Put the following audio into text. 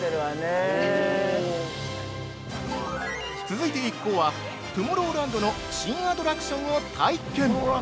◆続いて一行はトゥモローランドの新アトラクションを体験。